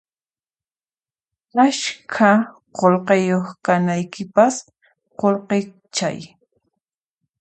Ashka qullqiyuq kanaykipaq qullqichay